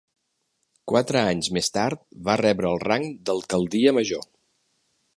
Quatre anys més tard va rebre el rang d'alcaldia major.